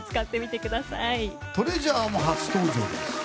ＴＲＥＡＳＵＲＥも初登場。